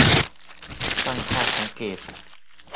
ตั้งข้อสังเกต